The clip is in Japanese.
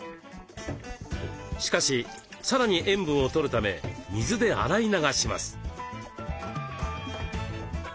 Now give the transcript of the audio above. しかしさらに塩分を取るため水で洗い流します。